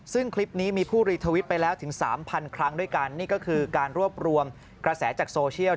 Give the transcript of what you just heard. ซึ่งคลิปนี้มีผู้รีทวิตไปแล้วถึงสามพันครั้งด้วยกันนี่ก็คือการรวบรวมกระแสจากโซเชียล